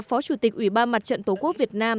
phó chủ tịch ủy ban mặt trận tổ quốc việt nam